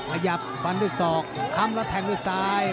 ขยับฟันด้วยศอกค้ำแล้วแทงด้วยซ้าย